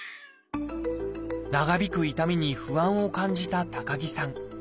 長引く痛みに不安を感じた高木さん。